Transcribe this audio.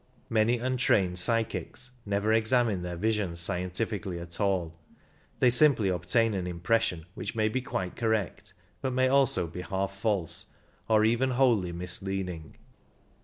Many untrained psychics never examine their visions scientifically at all : they sim[)ly obtain an impression which may be quite correct, but may also be half false, or even wholly misleading.